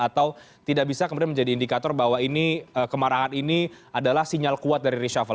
atau tidak bisa kemudian menjadi indikator bahwa ini kemarahan ini adalah sinyal kuat dari reshuffle